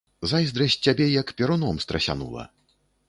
Зайздрасць цябе як перуном страсянула.